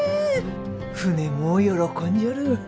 船も喜んじょる。